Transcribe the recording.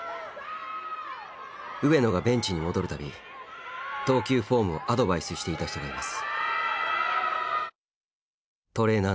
上野がベンチに戻る度投球フォームをアドバイスしていた人がいます。